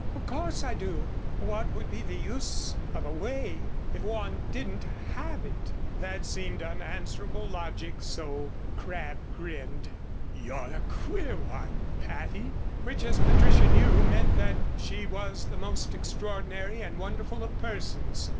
"Of course I do. What would be the use of a way, if one didn't have it?" That seemed unanswerable logic, so Crabb grinned. "You're a queer one, Patty," which, as Patricia knew, meant that she was the most extraordinary and wonderful of persons.